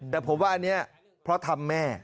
แต่ผมว่าอันนี้เพราะทำแม่